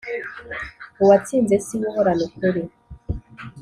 uwatsinze siwe uhorana ukuri.